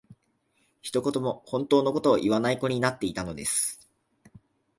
一言も本当の事を言わない子になっていたのです